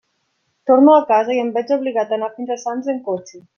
Torno a casa i em veig obligat a anar fins a Sants en cotxe.